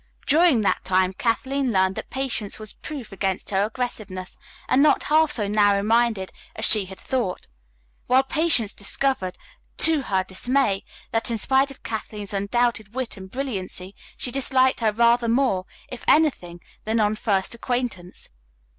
During that time Kathleen learned that Patience was proof against her aggressiveness, and not half so narrow minded as she had thought; while Patience discovered, to her dismay, that in spite of Kathleen's undoubted wit and brilliancy, she disliked her rather more, if anything, than on first acquaintance.